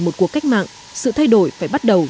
một cuộc cách mạng sự thay đổi phải bắt đầu